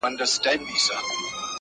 دا د پېړیو مزل مه ورانوی-